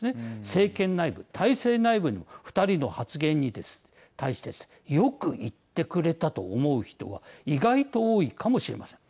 政権内部、体制内部にでも２人の発言に対してですねよく言ってくれたと思う人は意外と多いかもしれません。